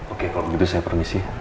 oke kalau begitu saya permisi